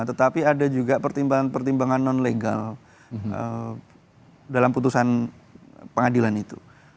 tetapi ada juga pertimbangan pertimbangan non legal dalam putusan pengadilan itu